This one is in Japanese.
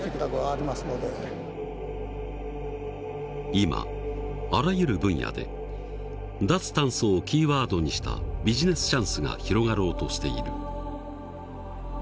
今あらゆる分野で脱炭素をキーワードにしたビジネスチャンスが広がろうとしている。